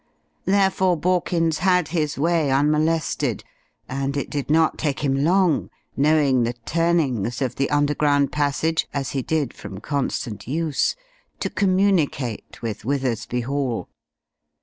Therefore Borkins had his way unmolested, and it did not take him long, knowing the turnings of the underground passage as he did from constant use to communicate with Withersby Hall.